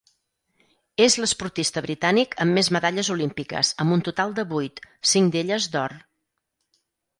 És l'esportista britànic amb més medalles olímpiques amb un total de vuit, cinc d'elles d'or.